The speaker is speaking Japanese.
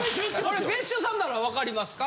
これ別所さんならわかりますか？